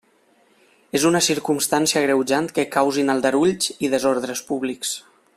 És una circumstància agreujant que causin aldarulls o desordres públics.